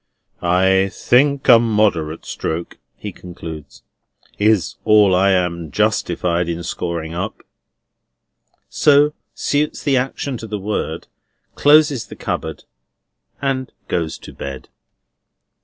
"I think a moderate stroke," he concludes, "is all I am justified in scoring up;" so, suits the action to the word, closes the cupboard, and goes to bed.